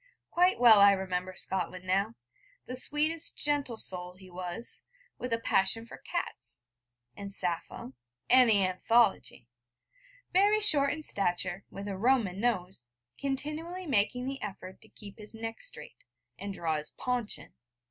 Quite well I remember Scotland now the sweetest, gentle soul he was, with a passion for cats, and Sappho, and the Anthology, very short in stature, with a Roman nose, continually making the effort to keep his neck straight, and draw his paunch in.